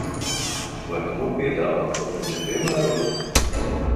Vai tu man piedāvā kaut ko nepiemērotu?